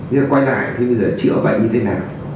nhưng mà quay lại thì bây giờ chữa bệnh như thế nào